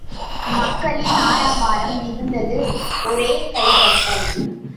மக்களின் ஆரவாரம் மிகுந்தது ஒரே கைதட்டல்.